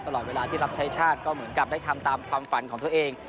ตลอดเวลาที่รับใช้ชาติก็เหมือนกับได้ทำตามความฝันของตัวเอง